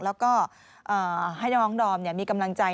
แล้วก็ให้น้องดอมมีกำลังใจ